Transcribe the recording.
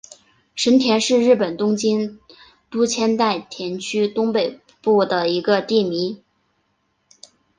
神田是日本东京都千代田区东北部的一个地名。